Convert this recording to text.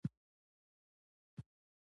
سفیران د مغولو دربار ته ورسېدل.